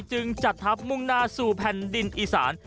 จึงจัดทัพมุ่งหน้าสู่แผ่นดินอีสาน